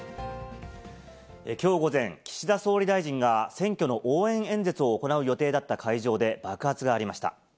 きょう午前、岸田総理大臣が選挙の応援演説を行う予定だった会場で爆発がありました。